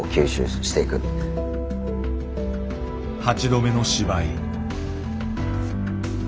８度目の芝居。